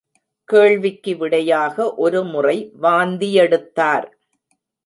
கேள்விக்கு விடையாக ஒருமுறை வாந்தியெடுத்தார்.